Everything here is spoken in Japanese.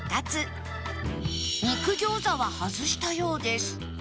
肉餃子は外したようです